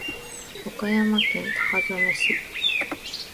岡山県高梁市